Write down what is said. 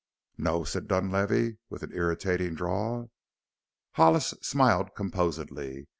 "No?" said Dunlavey with an irritating drawl. Hollis smiled composedly.